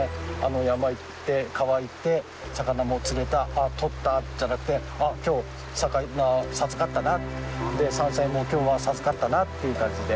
山行って川行って魚も釣れた「あっとった」じゃなくて「あっ今日魚授かったな」って山菜も「今日は授かったな」っていう感じで。